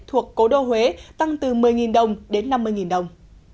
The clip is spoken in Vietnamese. thuộc cố đô huế tăng từ một mươi đồng đến năm mươi đồng